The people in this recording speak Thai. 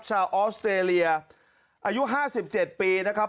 ชาวออสเตรเลียอายุห้าสิบเจ็ดปีนะครับ